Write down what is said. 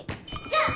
じゃあ！